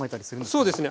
そうですね。